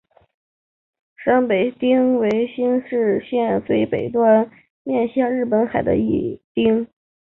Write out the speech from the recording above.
山北町为新舄县最北端面向日本海的一町。